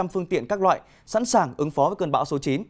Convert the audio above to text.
năm phương tiện các loại sẵn sàng ứng phó với cơn bão số chín